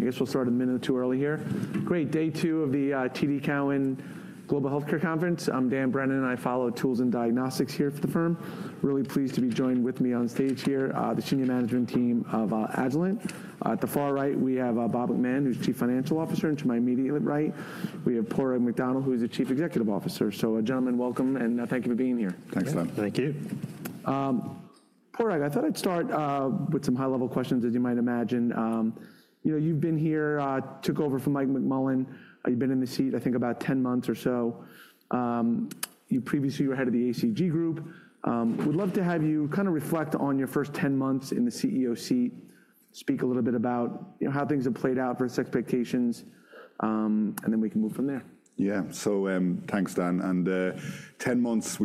I guess we'll start in a minute or two early here. Great. Day two of the TD Cowen Global Healthcare Conference. I'm Dan Brennan. I follow tools and diagnostics here for the firm. Really pleased to be joined with me on stage here, the senior management team of Agilent. At the far right, we have Bob McMahon, who's Chief Financial Officer, and to my immediate right, we have Padraig McDonnell, who is the Chief Executive Officer. So, gentlemen, welcome, and thank you for being here. Thanks, Dan. Thank you. Padraig, I thought I'd start with some high-level questions, as you might imagine. You've been here, took over from Mike McMullen. You've been in the seat, I think, about 10 months or so. You previously were head of the ACG Group. Would love to have you kind of reflect on your first 10 months in the CEO seat, speak a little bit about how things have played out versus expectations, and then we can move from there. Yeah. So thanks, Dan. And 10 months,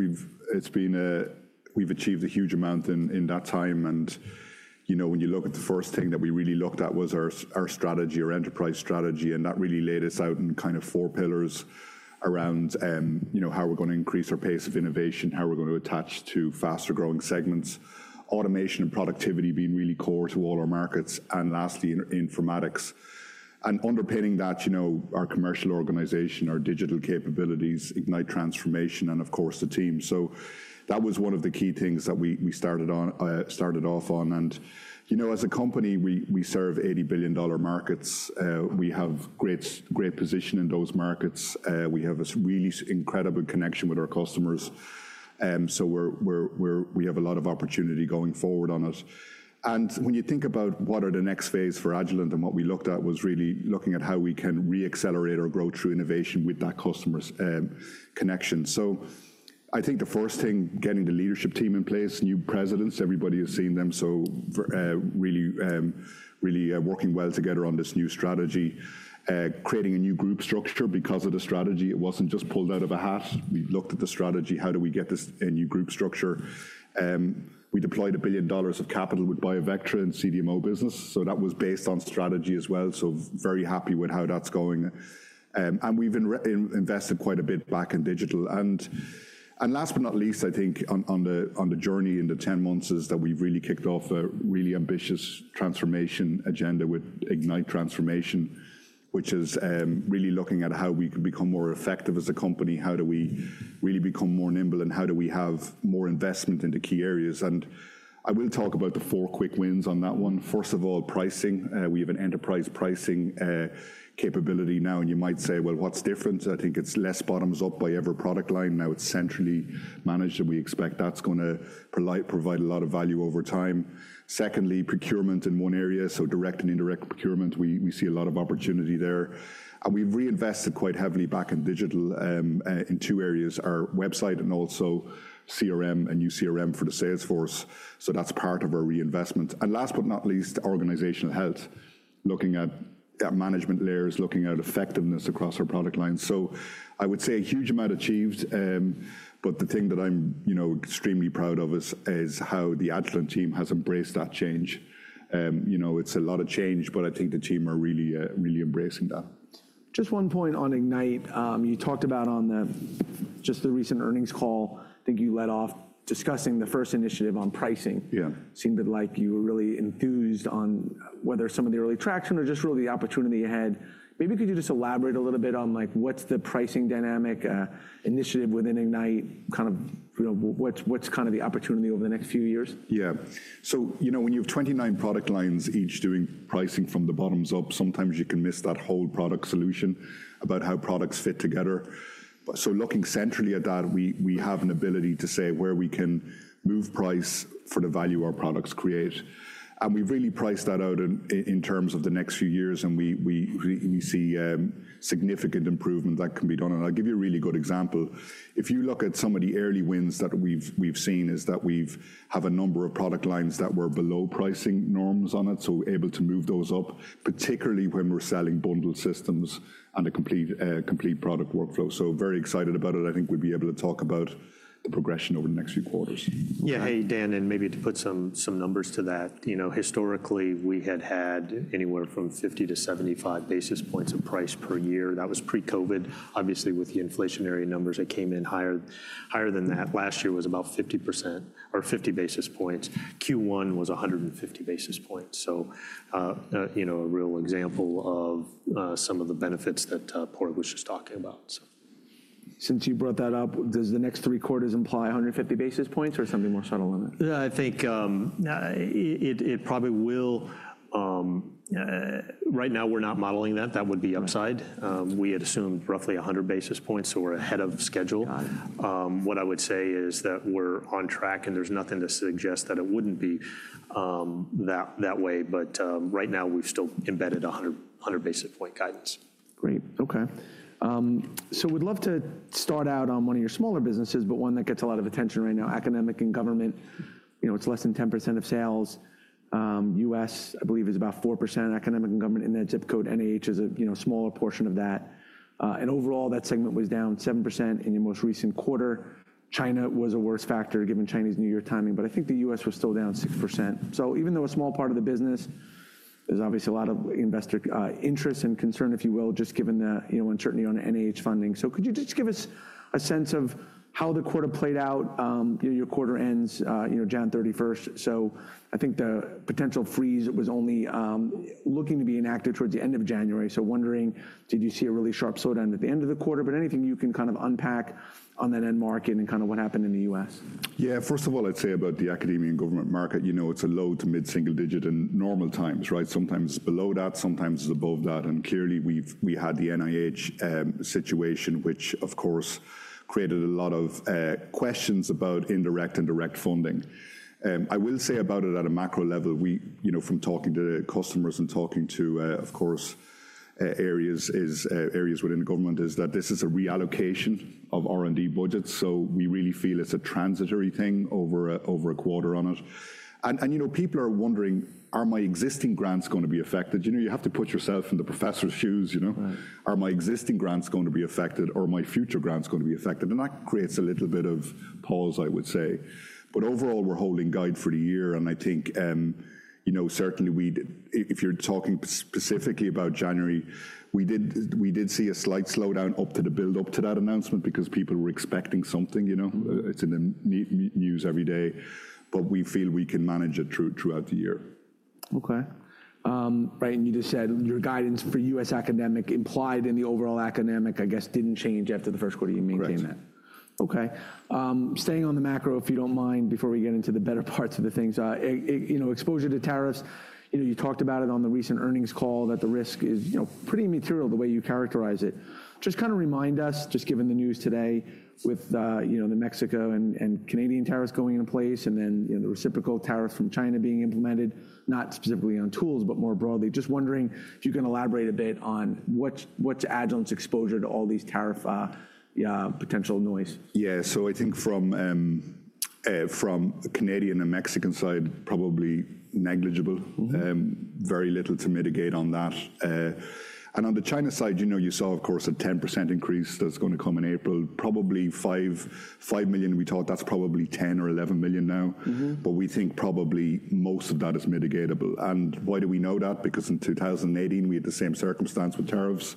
it's been we've achieved a huge amount in that time. And when you look at the first thing that we really looked at was our strategy, our enterprise strategy. And that really laid us out in kind of four pillars around how we're going to increase our pace of innovation, how we're going to attach to faster-growing segments, automation and productivity being really core to all our markets, and lastly, informatics. And underpinning that, our commercial organization, our digital capabilities, Ignite Transformation, and of course, the team. So that was one of the key things that we started off on. And as a company, we serve $80 billion markets. We have a great position in those markets. We have this really incredible connection with our customers. So we have a lot of opportunity going forward on us. And when you think about what are the next phase for Agilent, and what we looked at was really looking at how we can re-accelerate or grow through innovation with that customer's connection. So I think the first thing, getting the leadership team in place, new presidents, everybody has seen them, so really working well together on this new strategy, creating a new group structure because of the strategy. It wasn't just pulled out of a hat. We looked at the strategy. How do we get this new group structure? We deployed $1 billion of capital with BioVectra and CDMO business. So that was based on strategy as well. So very happy with how that's going. And we've invested quite a bit back in digital. Last but not least, I think on the journey in the 10 months is that we've really kicked off a really ambitious transformation agenda with Ignite Transformation, which is really looking at how we could become more effective as a company. How do we really become more nimble, and how do we have more investment into key areas? I will talk about the four quick wins on that one. First of all, pricing. We have an enterprise pricing capability now. You might say, well, what's different? I think it's less bottoms-up by every product line. Now it's centrally managed, and we expect that's going to provide a lot of value over time. Secondly, procurement in one area, so direct and indirect procurement. We see a lot of opportunity there. We've reinvested quite heavily back in digital in two areas, our website and also CRM and new CRM for the salesforce. So that's part of our reinvestment. Last but not least, organizational health, looking at management layers, looking at effectiveness across our product lines. So I would say a huge amount achieved. The thing that I'm extremely proud of is how the Agilent team has embraced that change. It's a lot of change, but I think the team are really embracing that. Just one point on Ignite. You talked about on just the recent earnings call, I think you led off discussing the first initiative on pricing. Seemed like you were really enthused on whether some of the early traction or just really the opportunity ahead. Maybe you could just elaborate a little bit on what's the pricing dynamic initiative within Ignite, kind of what's the opportunity over the next few years? Yeah. So when you have 29 product lines each doing pricing from the bottoms up, sometimes you can miss that whole product solution about how products fit together. So looking centrally at that, we have an ability to say where we can move price for the value our products create. And we've really priced that out in terms of the next few years. And we see significant improvement that can be done. And I'll give you a really good example. If you look at some of the early wins that we've seen, is that we have a number of product lines that were below pricing norms on it, so able to move those up, particularly when we're selling bundled systems and a complete product workflow. So very excited about it. I think we'll be able to talk about the progression over the next few quarters. Yeah. Hey, Dan, and maybe to put some numbers to that, historically, we had had anywhere from 50-75 basis points of price per year. That was pre-COVID. Obviously, with the inflationary numbers that came in higher than that, last year was about 50% or 50 basis points. Q1 was 150 basis points. So a real example of some of the benefits that Padraig was just talking about. Since you brought that up, does the next three quarters imply 150 basis points or something more subtle on that? Yeah, I think it probably will. Right now, we're not modeling that. That would be upside. We had assumed roughly 100 basis points, so we're ahead of schedule. What I would say is that we're on track, and there's nothing to suggest that it wouldn't be that way. But right now, we've still embedded 100 basis points guidance. Great. OK. So we'd love to start out on one of your smaller businesses, but one that gets a lot of attention right now, academic and government. It's less than 10% of sales. U.S., I believe, is about 4%, academic and government, and that zip code NIH is a smaller portion of that, and overall, that segment was down 7% in your most recent quarter. China was a worse factor given Chinese New Year timing, but I think the U.S. was still down 6%, so even though a small part of the business, there's obviously a lot of investor interest and concern, if you will, just given the uncertainty on NIH funding, so could you just give us a sense of how the quarter played out? Your quarter ends January 31, so I think the potential freeze was only looking to be enacted towards the end of January. So wondering, did you see a really sharp slowdown at the end of the quarter? But anything you can kind of unpack on that end market and kind of what happened in the U.S.? Yeah. First of all, I'd say about the academia and government market, it's a low- to mid-single-digit in normal times. Sometimes it's below that, sometimes it's above that, and clearly, we had the NIH situation, which, of course, created a lot of questions about indirect and direct funding. I will say about it at a macro level, from talking to the customers and talking to, of course, areas within the government, is that this is a reallocation of R&D budgets. So we really feel it's a transitory thing over a quarter on us, and people are wondering, are my existing grants going to be affected? You have to put yourself in the professor's shoes. Are my existing grants going to be affected, or are my future grants going to be affected? And that creates a little bit of pause, I would say. But overall, we're holding guide for the year. And I think certainly, if you're talking specifically about January, we did see a slight slowdown up to the build-up to that announcement because people were expecting something. It's in the news every day. But we feel we can manage it throughout the year. OK. Right. And you just said your guidance for U.S. academic implied in the overall academic, I guess, didn't change after the first quarter. You maintained that. Correct. OK. Staying on the macro, if you don't mind, before we get into the better parts of the things, exposure to tariffs. You talked about it on the recent earnings call, that the risk is pretty material the way you characterize it. Just kind of remind us, just given the news today with the Mexico and Canadian tariffs going into place and then the reciprocal tariffs from China being implemented, not specifically on tools, but more broadly. Just wondering if you can elaborate a bit on what's Agilent's exposure to all these tariff potential noise. Yeah. So I think from the Canadian and Mexican side, probably negligible. Very little to mitigate on that. And on the China side, you saw, of course, a 10% increase that's going to come in April. Probably $5 million. We thought that's probably $10 million or $11 million now. But we think probably most of that is mitigatable. And why do we know that? Because in 2018, we had the same circumstance with tariffs.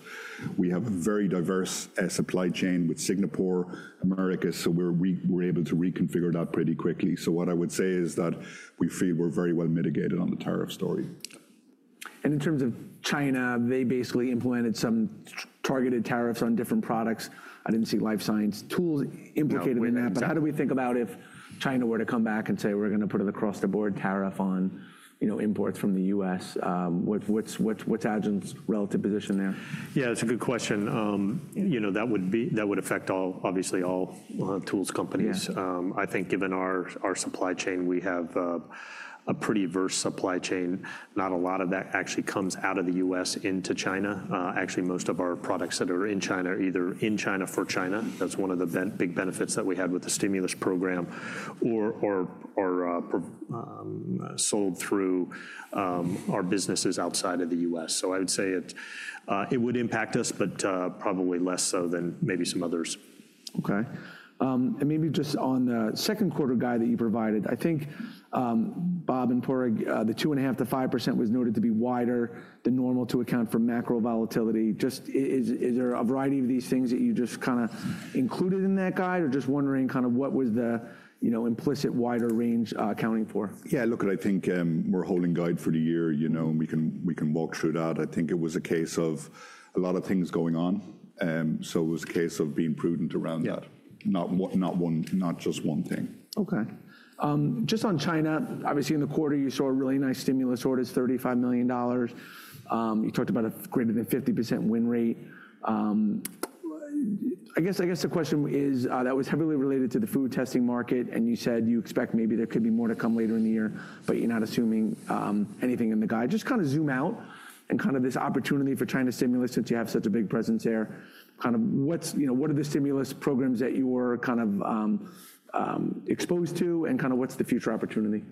We have a very diverse supply chain with Singapore, America. So we were able to reconfigure that pretty quickly. So what I would say is that we feel we're very well mitigated on the tariff story. And in terms of China, they basically implemented some targeted tariffs on different products. I didn't see life science tools implicated in that. But how do we think about if China were to come back and say, we're going to put an across-the-board tariff on imports from the U.S.? What's Agilent's relative position there? Yeah, that's a good question. That would affect obviously all tools companies. I think given our supply chain, we have a pretty diverse supply chain. Not a lot of that actually comes out of the U.S. into China. Actually, most of our products that are in China are either in China for China. That's one of the big benefits that we had with the stimulus program or sold through our businesses outside of the U.S. So I would say it would impact us, but probably less so than maybe some others. OK. And maybe just on the second quarter guide that you provided, I think, Bob and Padraig, the 2.5%-5% was noted to be wider than normal to account for macro volatility. Just, is there a variety of these things that you just kind of included in that guide? Or just wondering kind of what was the implicit wider range accounting for? Yeah. Look, I think we're holding guide for the year. We can walk through that. I think it was a case of a lot of things going on. So it was a case of being prudent around that, not just one thing. OK. Just on China, obviously, in the quarter, you saw a really nice stimulus orders, $35 million. You talked about a greater than 50% win rate. I guess the question is that was heavily related to the food testing market, and you said you expect maybe there could be more to come later in the year, but you're not assuming anything in the guide. Just kind of zoom out and kind of this opportunity for China stimulus since you have such a big presence there. Kind of what are the stimulus programs that you were kind of exposed to, and kind of what's the future opportunity?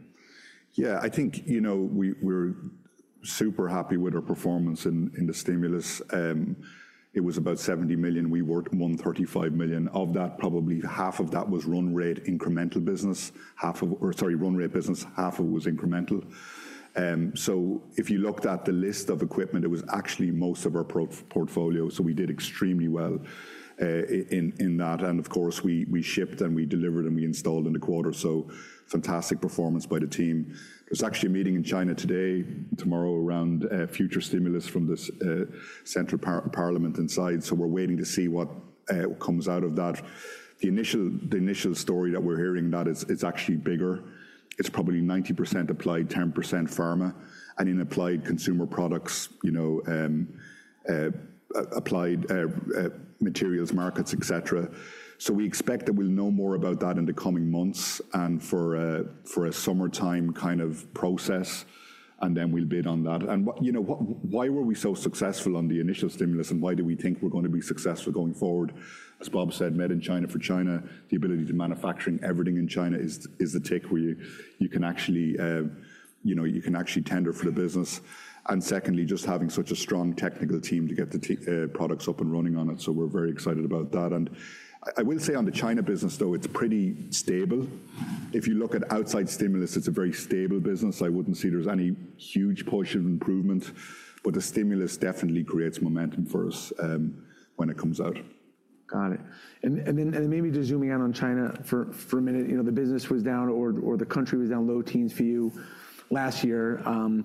Yeah. I think we were super happy with our performance in the stimulus. It was about $70 million. We worked $135 million. Of that, probably half of that was run rate incremental business. Half of, or sorry, run rate business, half of it was incremental. So if you looked at the list of equipment, it was actually most of our portfolio. So we did extremely well in that. And of course, we shipped and we delivered and we installed in the quarter. So fantastic performance by the team. There's actually a meeting in China today, tomorrow, around future stimulus from the central parliament inside. So we're waiting to see what comes out of that. The initial story that we're hearing that it's actually bigger. It's probably 90% applied, 10% pharma, and in applied consumer products, applied materials, markets, et cetera. We expect that we'll know more about that in the coming months and for a summertime kind of process. Then we'll bid on that. Why were we so successful on the initial stimulus, and why do we think we're going to be successful going forward? As Bob said, made in China for China, the ability to manufacture everything in China is the trick where you can actually tender for the business. Secondly, just having such a strong technical team to get the products up and running on it, so we're very excited about that. I will say on the China business, though, it's pretty stable. If you look at outside stimulus, it's a very stable business. I don't see there's any huge portion of improvement. The stimulus definitely creates momentum for us when it comes out. Got it. And then maybe just zooming out on China for a minute, the business was down or the country was down low teens for you last year. And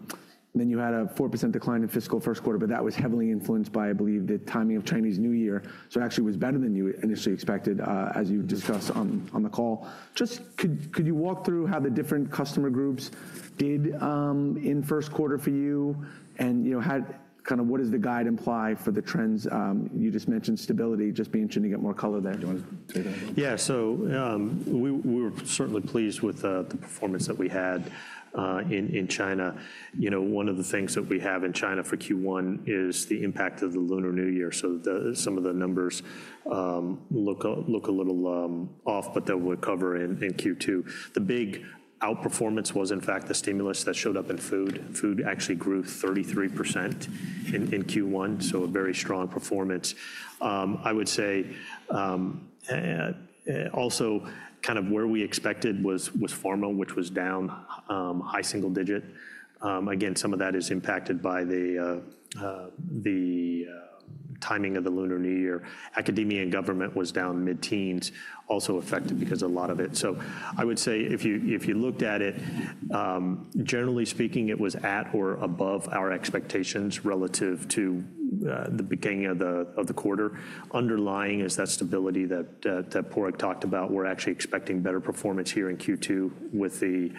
then you had a 4% decline in fiscal first quarter. But that was heavily influenced by, I believe, the timing of Chinese New Year. So actually was better than you initially expected, as you discussed on the call. Just could you walk through how the different customer groups did in first quarter for you? And kind of what does the guide imply for the trends? You just mentioned stability. Just be interested to get more color there. Yeah. So we were certainly pleased with the performance that we had in China. One of the things that we have in China for Q1 is the impact of the Lunar New Year. So some of the numbers look a little off, but that would cover in Q2. The big outperformance was, in fact, the stimulus that showed up in food. Food actually grew 33% in Q1, so a very strong performance. I would say also kind of where we expected was pharma, which was down high single digit. Again, some of that is impacted by the timing of the Lunar New Year. Academia and government was down mid-teens, also affected because a lot of it. So I would say if you looked at it, generally speaking, it was at or above our expectations relative to the beginning of the quarter. Underlying is that stability that Padraig talked about. We're actually expecting better performance here in Q2 with the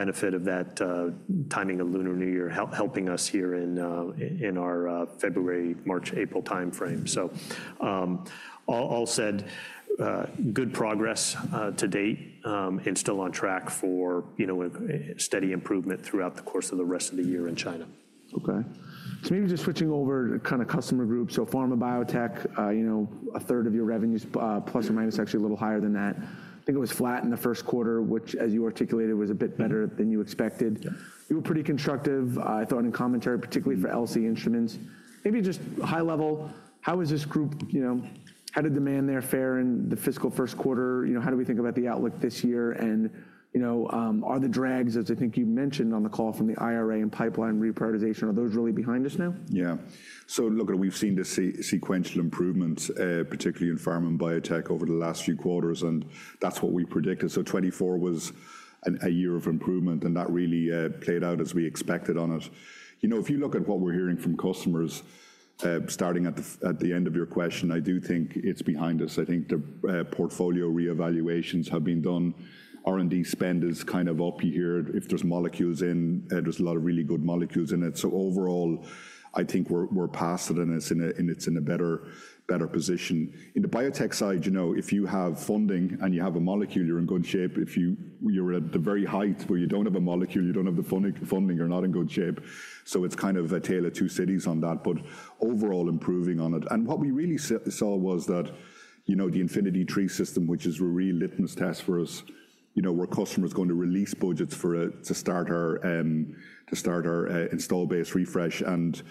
benefit of that timing of Lunar New Year helping us here in our February, March, April time frame. So all said, good progress to date and still on track for steady improvement throughout the course of the rest of the year in China. OK. So maybe just switching over to kind of customer groups. So pharma, biotech, a third of your revenues, plus or minus actually a little higher than that. I think it was flat in the first quarter, which, as you articulated, was a bit better than you expected. You were pretty constructive, I thought, in commentary, particularly for LC instruments. Maybe just high level, how is this group? How did demand there fare in the fiscal first quarter? How do we think about the outlook this year, and are the drags, as I think you mentioned on the call from the IRA and pipeline reprioritization, really behind us now? Yeah. So look, we've seen the sequential improvements, particularly in pharma and biotech over the last few quarters. And that's what we predicted. So 2024 was a year of improvement. And that really played out as we expected on it. If you look at what we're hearing from customers, starting at the end of your question, I do think it's behind us. I think the portfolio reevaluations have been done. R&D spend is kind of up here. If there's molecules in, there's a lot of really good molecules in it. So overall, I think we're past it. And it's in a better position. In the biotech side, if you have funding and you have a molecule, you're in good shape. If you're at the very height where you don't have a molecule, you don't have the funding, you're not in good shape. It's kind of a tale of two cities on that. But overall, improving on it. And what we really saw was that the Infinity III system, which is a real litmus test for us, were customers going to release budgets to start our installed base refresh? And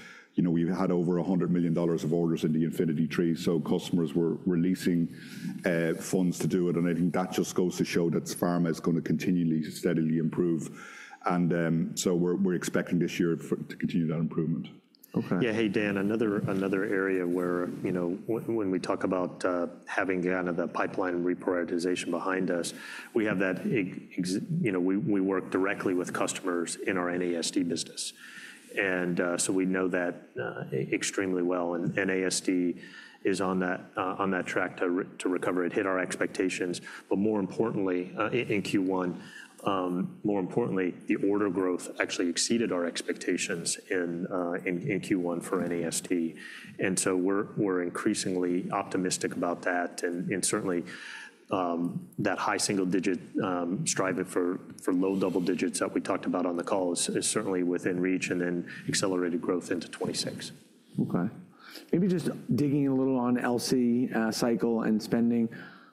we've had over $100 million of orders in the Infinity III. So customers were releasing funds to do it. And I think that just goes to show that pharma is going to continually steadily improve. And so we're expecting this year to continue that improvement. Yeah. Hey, Dan, another area where when we talk about having kind of the pipeline reprioritization behind us, we have that we work directly with customers in our NASD business. And so we know that extremely well. And NASD is on that track to recover. It hit our expectations. But more importantly, in Q1, more importantly, the order growth actually exceeded our expectations in Q1 for NASD. And so we're increasingly optimistic about that. And certainly, that high single digit striving for low double digits that we talked about on the call is certainly within reach and then accelerated growth into 2026. OK. Maybe just digging in a little on LC cycle and spending.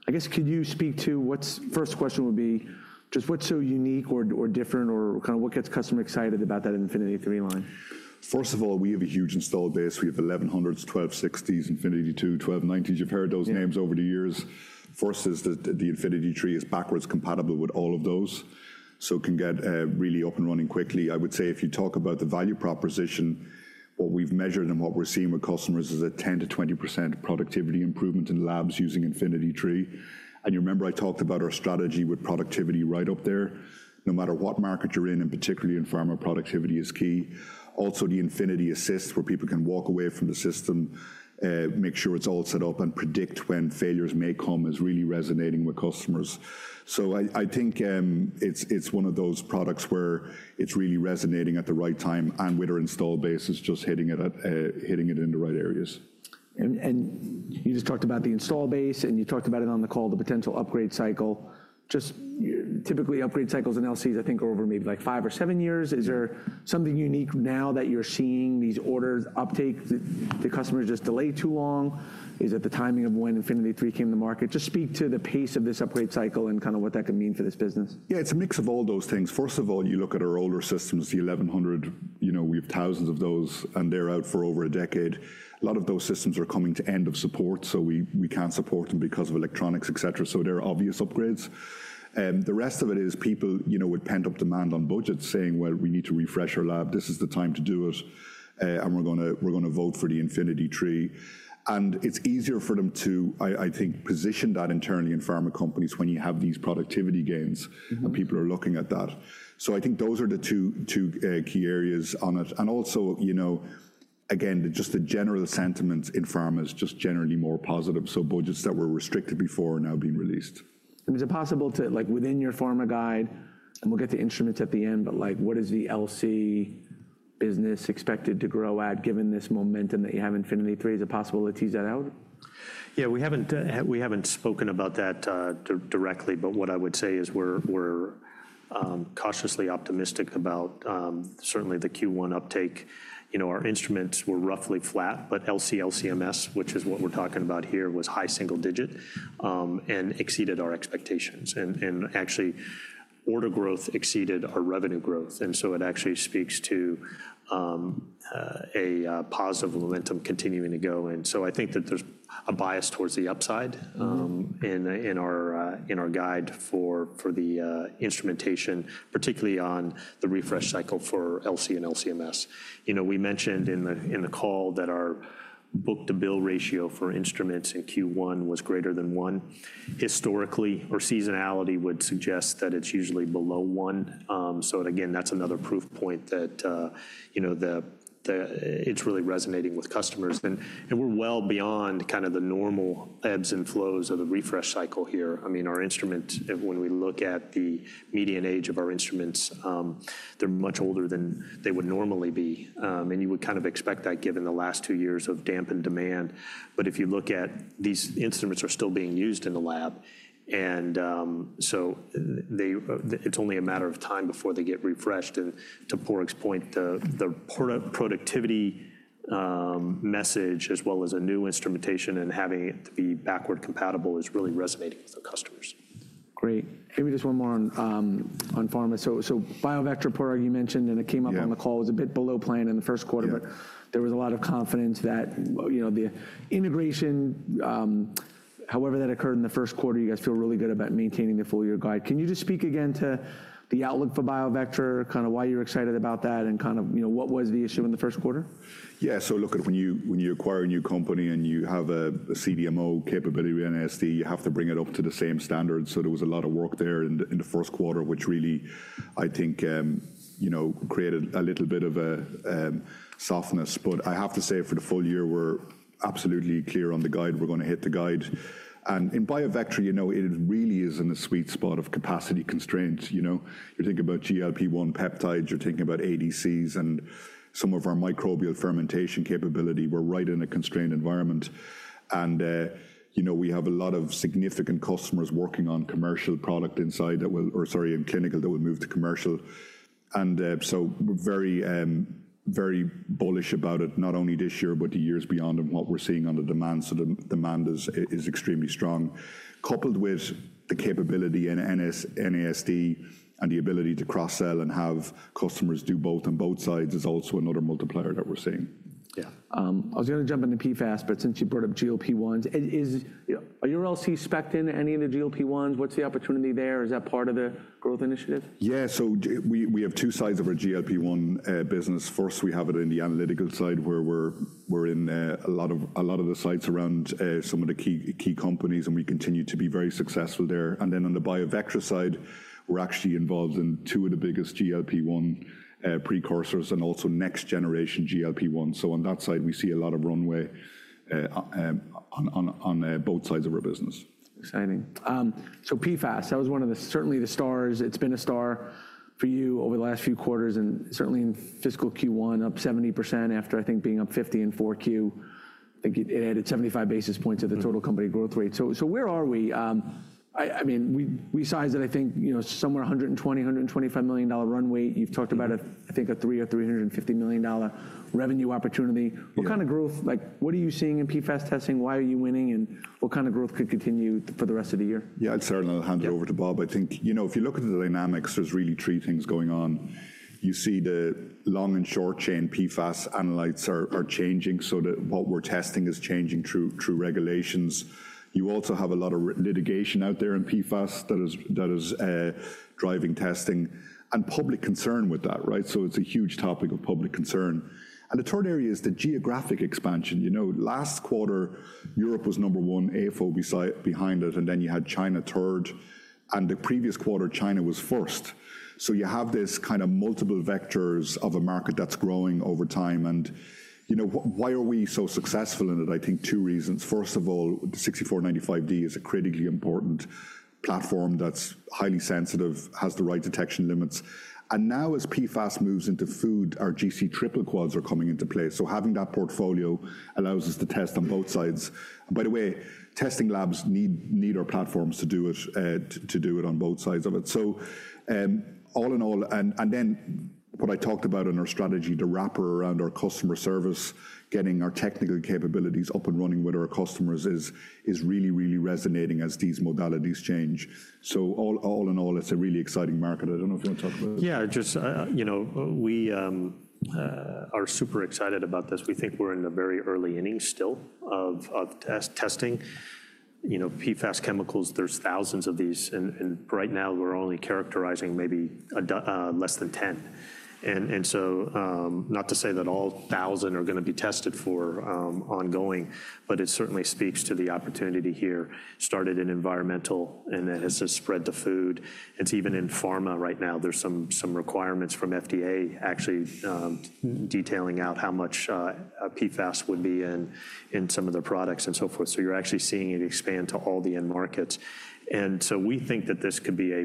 I guess could you speak to what's first question would be just what's so unique or different or kind of what gets customer excited about that Infinity III line? First of all, we have a huge install base. We have 1100s, 1260s, Infinity II, 1290s. You've heard those names over the years. For us, the Infinity III is backwards compatible with all of those. So it can get really up and running quickly. I would say if you talk about the value proposition, what we've measured and what we're seeing with customers is a 10%-20% productivity improvement in labs using Infinity III. And you remember I talked about our strategy with productivity right up there. No matter what market you're in, and particularly in pharma, productivity is key. Also, the Infinity Assist, where people can walk away from the system, make sure it's all set up and predict when failures may come, is really resonating with customers. So I think it's one of those products where it's really resonating at the right time. With our installed base, it's just hitting it in the right areas. You just talked about the install base. You talked about it on the call, the potential upgrade cycle. Just typically, upgrade cycles in LCs, I think, are over maybe like five or seven years. Is there something unique now that you're seeing these orders uptake? The customers just delay too long? Is it the timing of when Infinity III came to market? Just speak to the pace of this upgrade cycle and kind of what that could mean for this business. Yeah. It's a mix of all those things. First of all, you look at our older systems, the 1100. We have thousands of those, and they're out for over a decade. A lot of those systems are coming to end of support, so we can't support them because of electronics, et cetera. So there are obvious upgrades. The rest of it is people with pent up demand on budgets saying, well, we need to refresh our lab. This is the time to do it, and we're going to vote for the Infinity III. And it's easier for them to, I think, position that internally in pharma companies when you have these productivity gains, and people are looking at that. So I think those are the two key areas on it, and also, again, just the general sentiment in pharma is just generally more positive. Budgets that were restricted before are now being released. Is it possible to, within your pharma guide, and we'll get to instruments at the end, but what is the LC business expected to grow at given this momentum that you have Infinity III? Is it possible to tease that out? Yeah. We haven't spoken about that directly, but what I would say is we're cautiously optimistic about certainly the Q1 uptake. Our instruments were roughly flat, but LC, LC/MS, which is what we're talking about here, was high single digit and exceeded our expectations. And actually, order growth exceeded our revenue growth. And so it actually speaks to a positive momentum continuing to go. And so I think that there's a bias towards the upside in our guide for the instrumentation, particularly on the refresh cycle for LC and LC/MS. We mentioned in the call that our book-to-bill ratio for instruments in Q1 was greater than one. Historically, seasonality would suggest that it's usually below one. So again, that's another proof point that it's really resonating with customers. And we're well beyond kind of the normal ebbs and flows of the refresh cycle here. I mean, our instruments, when we look at the median age of our instruments, they're much older than they would normally be, and you would kind of expect that given the last two years of dampened demand. But if you look at, these instruments are still being used in the lab, and so it's only a matter of time before they get refreshed, and to Padraig's point, the productivity message, as well as a new instrumentation and having it to be backward compatible, is really resonating with our customers. Great. Maybe just one more on pharma. So BioVectra, Padraig, you mentioned. And it came up on the call. It was a bit below plan in the first quarter. But there was a lot of confidence that the integration, however that occurred in the first quarter, you guys feel really good about maintaining the full year guide. Can you just speak again to the outlook for BioVectra, kind of why you're excited about that and kind of what was the issue in the first quarter? Yeah. So look, when you acquire a new company and you have a CDMO capability with NASD, you have to bring it up to the same standards. So there was a lot of work there in the first quarter, which really, I think, created a little bit of a softness. But I have to say for the full year, we're absolutely clear on the guide. We're going to hit the guide. And in BioVectra, it really is in a sweet spot of capacity constraints. You're thinking about GLP-1 peptides. You're thinking about ADCs and some of our microbial fermentation capability. We're right in a constrained environment. And we have a lot of significant customers working on commercial product inside that will, or sorry, in clinical that will move to commercial. And so very bullish about it, not only this year but the years beyond and what we're seeing on the demand. So the demand is extremely strong. Coupled with the capability in NASD and the ability to cross-sell and have customers do both on both sides is also another multiplier that we're seeing. Yeah. I was going to jump into PFAS, but since you brought up GLP-1s, are your LCs specced in any of the GLP-1s? What's the opportunity there? Is that part of the growth initiative? Yeah, so we have two sides of our GLP-1 business. First, we have it in the analytical side where we're in a lot of the sites around some of the key companies. And we continue to be very successful there, and then on the BioVectra side, we're actually involved in two of the biggest GLP-1 precursors and also next generation GLP-1, so on that side, we see a lot of runway on both sides of our business. Exciting. So, PFAS that was one of the certainly the stars. It's been a star for you over the last few quarters and certainly in fiscal Q1, up 70% after, I think, being up 50% in 4Q. I think it added 75 basis points to the total company growth rate. So where are we? I mean, we sized it, I think, somewhere $120 million-$125 million runway. You've talked about, I think, a $300 million or $350 million revenue opportunity. What kind of growth? What are you seeing in PFAS testing? Why are you winning? And what kind of growth could continue for the rest of the year? Yeah. I'd certainly hand it over to Bob. I think if you look at the dynamics, there's really three things going on. You see the long and short chain PFAS analytes are changing. So what we're testing is changing through regulations. You also have a lot of litigation out there in PFAS that is driving testing and public concern with that, right? So it's a huge topic of public concern. And the third area is the geographic expansion. Last quarter, Europe was number one, AFO behind it. And then you had China third. And the previous quarter, China was first. So you have this kind of multiple vectors of a market that's growing over time. And why are we so successful in it? I think two reasons. First of all, the 6495D is a critically important platform that's highly sensitive, has the right detection limits. Now, as PFAS moves into food, our GC triple quads are coming into place. Having that portfolio allows us to test on both sides. By the way, testing labs need our platforms to do it on both sides of it. All in all, and then what I talked about in our strategy, the wrapper around our customer service, getting our technical capabilities up and running with our customers is really, really resonating as these modalities change. All in all, it's a really exciting market. I don't know if you want to talk about it. Yeah. Just we are super excited about this. We think we're in the very early innings still of testing PFAS chemicals. There's thousands of these. And right now, we're only characterizing maybe less than 10. And so not to say that all 1,000 are going to be tested for ongoing. But it certainly speaks to the opportunity here. Started in environmental. And it has spread to food. It's even in pharma right now. There's some requirements from FDA actually detailing out how much PFAS would be in some of the products and so forth. So you're actually seeing it expand to all the end markets. And so we think that this could be a,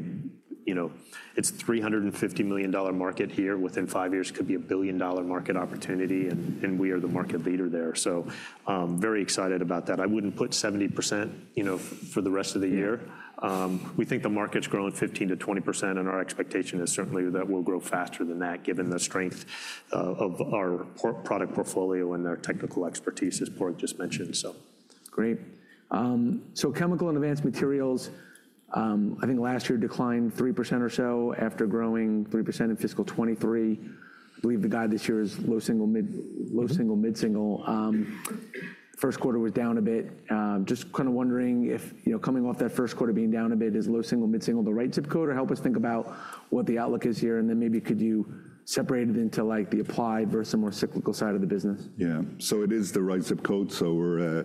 it's $350 million market here. Within five years, it could be a $1 billion market opportunity. And we are the market leader there. So very excited about that. I wouldn't put 70% for the rest of the year. We think the market's growing 15%-20%. And our expectation is certainly that we'll grow faster than that given the strength of our product portfolio and our technical expertise, as Padraig just mentioned. So great. Chemical and Advanced Materials, I think last year declined 3% or so after growing 3% in fiscal 2023. I believe the guide this year is low single, mid-single. First quarter was down a bit. Just kind of wondering if coming off that first quarter being down a bit, is low single, mid-single the right zip code? Or help us think about what the outlook is here. And then maybe could you separate it into the applied versus more cyclical side of the business? Yeah. So it is the right zip code. So we're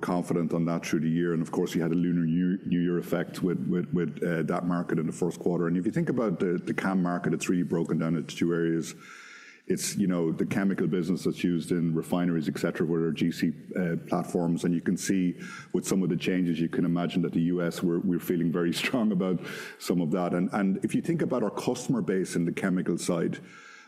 confident on that through the year, and of course, we had a Lunar New Year effect with that market in the first quarter. If you think about the CAM market, it's really broken down into two areas. It's the chemical business that's used in refineries, et cetera, with our GC platforms. You can see with some of the changes. You can imagine that the U.S., we're feeling very strong about some of that. If you think about our customer base in the chemical side,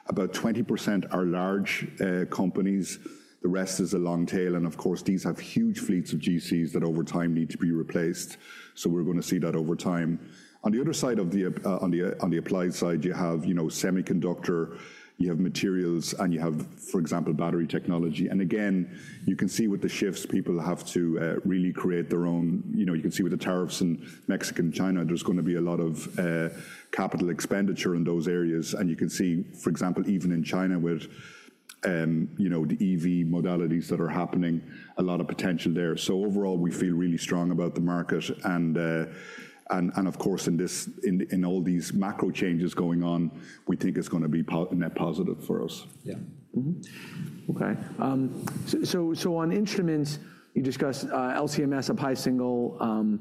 about 20% are large companies. The rest is a long tail, and of course, these have huge fleets of GCs that over time need to be replaced. So we're going to see that over time. On the other side of the applied side, you have semiconductor. You have materials. You have, for example, battery technology. Again, you can see with the shifts, people have to really create their own. You can see with the tariffs in Mexico and China, there's going to be a lot of capital expenditure in those areas. You can see, for example, even in China with the EV modalities that are happening, a lot of potential there. Overall, we feel really strong about the market. Of course, in all these macro changes going on, we think it's going to be net positive for us. Yeah. OK. So on instruments, you discussed LC/MS, applied single.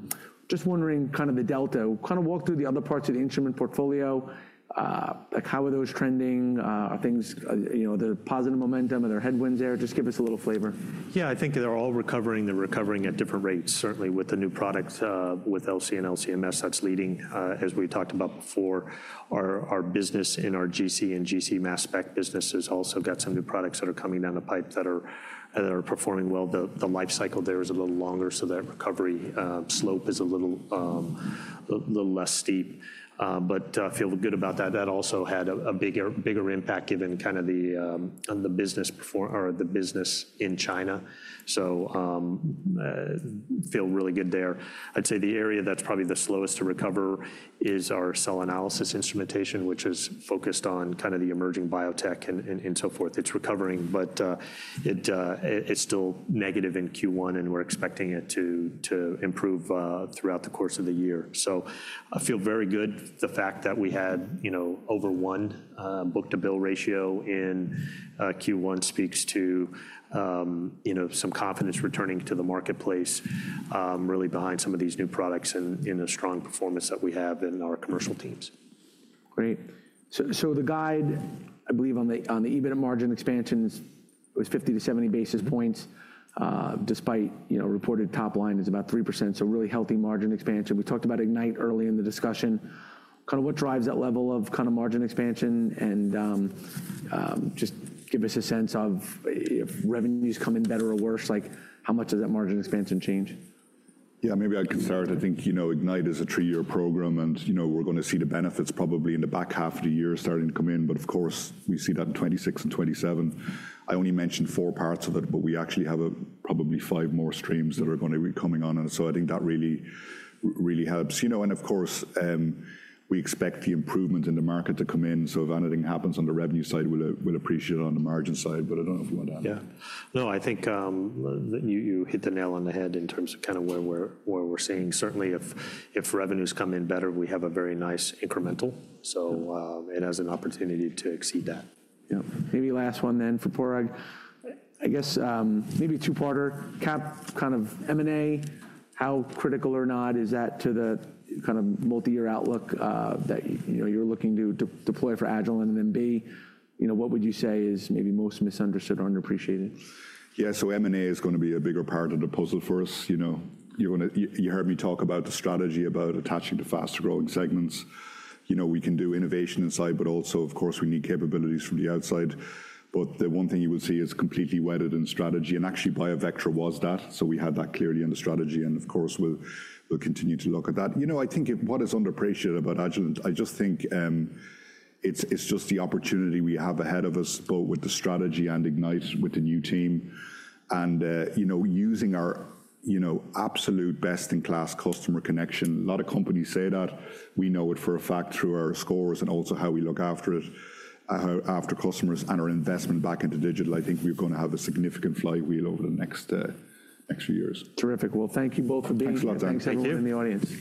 Just wondering kind of the delta. Kind of walk through the other parts of the instrument portfolio. How are those trending? Are there positive momentum? Are there headwinds there? Just give us a little flavor. Yeah. I think they're all recovering. They're recovering at different rates, certainly with the new products with LC and LC/MS that's leading, as we talked about before. Our business in our GC and GC mass spec business has also got some new products that are coming down the pipe that are performing well. The life cycle there is a little longer, so that recovery slope is a little less steep, but I feel good about that. That also had a bigger impact given kind of the business in China, so feel really good there. I'd say the area that's probably the slowest to recover is our cell analysis instrumentation, which is focused on kind of the emerging biotech and so forth. It's recovering, but it's still negative in Q1, and we're expecting it to improve throughout the course of the year, so I feel very good. The fact that we had over one book-to-bill ratio in Q1 speaks to some confidence returning to the marketplace, really behind some of these new products and in the strong performance that we have in our commercial teams. Great. So the guide, I believe on the EBITDA margin expansions, it was 50 to 70 basis points despite reported top line is about 3%. So really healthy margin expansion. We talked about Ignite early in the discussion. Kind of what drives that level of kind of margin expansion? And just give us a sense of revenues coming better or worse. How much does that margin expansion change? Yeah. Maybe I could start. I think Ignite is a three-year program, and we're going to see the benefits probably in the back half of the year starting to come in. But of course, we see that in 2026 and 2027. I only mentioned four parts of it, but we actually have probably five more streams that are going to be coming on. And so I think that really, really helps. And of course, we expect the improvement in the market to come in. So if anything happens on the revenue side, we'll appreciate it on the margin side. But I don't know if you want to add. Yeah. No, I think you hit the nail on the head in terms of kind of where we're seeing. Certainly, if revenues come in better, we have a very nice incremental. So it has an opportunity to exceed that. Yeah. Maybe last one then for Padraig. I guess maybe two-parter. Kind of M&A, how critical or not is that to the kind of multi-year outlook that you're looking to deploy for Agilent and M&A? What would you say is maybe most misunderstood or underappreciated? Yeah. So M&A is going to be a bigger part of the puzzle for us. You heard me talk about the strategy about attaching to faster growing segments. We can do innovation inside. But also, of course, we need capabilities from the outside. But the one thing you would see is completely wedded in strategy. And actually, BioVectra was that. So we had that clearly in the strategy. And of course, we'll continue to look at that. I think what is underappreciated about Agilent, I just think it's just the opportunity we have ahead of us both with the strategy and Ignite with the new team. And using our absolute best-in-class customer connection. A lot of companies say that. We know it for a fact through our scores and also how we look after it, after customers and our investment back into digital. I think we're going to have a significant flywheel over the next few years. Terrific. Well, thank you both for being here. Thanks a lot. Thank you. Thanks for having me in the audience.